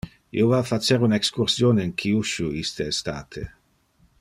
Io va facer un excursion in Kyushu iste estate.